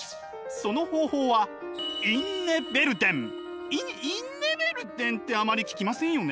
その方法はインインネヴェルデンってあまり聞きませんよね？